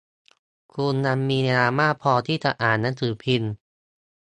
คุณยังมีเวลามากพอที่จะอ่านหนังสือพิมพ์